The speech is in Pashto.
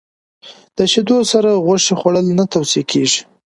د شیدو سره غوښه خوړل نه توصیه کېږي.